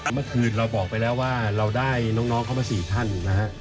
เมื่อคืนเราบอกไปแล้วว่าเราได้น้องเข้ามา๔ท่านนะฮะ